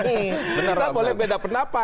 kita boleh beda pendapat